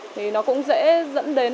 thì nó cũng dễ dẫn đến